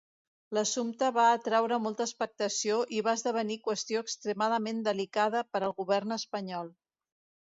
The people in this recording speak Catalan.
L'assumpte va atreure molta expectació i va esdevenir qüestió extremadament delicada per al Govern espanyol.